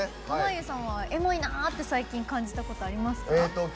濱家さんはエモいなって感じたことありますか？